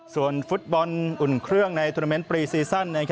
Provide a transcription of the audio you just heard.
ส่วนฟุตบอลอุ่นเครื่องในทวนาเมนต์ปรีซีซั่น